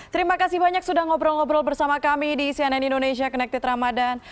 terima kasih banyak sudah ngobrol ngobrol bersama kami di cnn indonesia connected ramadhan